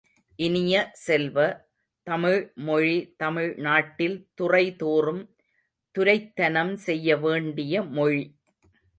இனிய செல்வ, தமிழ் மொழி தமிழ் நாட்டில் துறை தோறும் துரைத்தனம் செய்ய வேண்டிய மொழி!